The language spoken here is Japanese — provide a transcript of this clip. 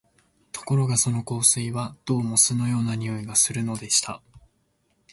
ところがその香水は、どうも酢のような匂いがするのでした